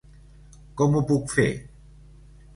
Com ho puc fer?